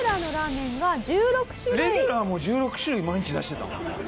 レギュラーも１６種類毎日出してたの？